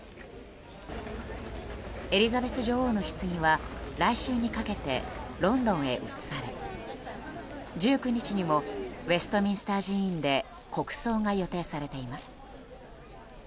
エリザベス女王のひつぎは来週にかけてロンドンへ移され、１９日にもウェストミンスター寺院で国葬が予定されています。